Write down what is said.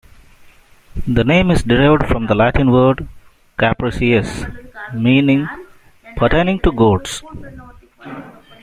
The name is derived from the Latin word "caprarius", meaning "pertaining to goats.